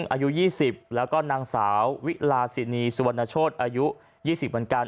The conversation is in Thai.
อายุ๒๐แล้วก็นางสาววิลาสินีสุวรรณโชธอายุ๒๐เหมือนกัน